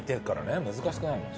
難しくないもん。